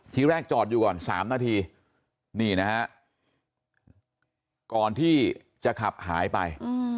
ทีแรกจอดอยู่ก่อน๓นาทีนี่นะฮะก่อนที่จะขับหายไป